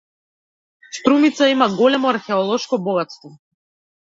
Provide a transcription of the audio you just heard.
Струмица има големо археолошко богатство.